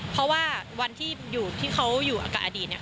เพราะว่าวันที่เขาอยู่กับอดีต